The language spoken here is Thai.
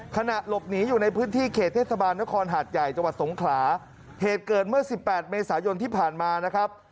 ขณะหลบหนีอยู่ในพื้นที่เขตเทศบาลนครหาดใหญ่จังหวัดสงขลาเหตุเกิดเมื่อสิบแปดเมษายนที่ผ่านมานะครับ